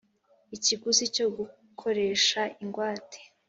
Ikiguzi cyo gukoresha ingwate